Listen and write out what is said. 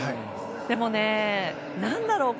でもね、何だろう。